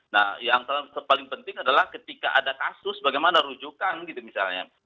nah yang paling penting adalah ketika ada kasus bagaimana rujukan gitu misalnya